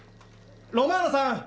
・ロマーナさん